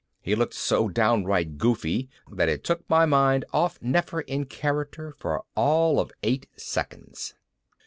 He looked so downright goofy that it took my mind off Nefer in character for all of eight seconds.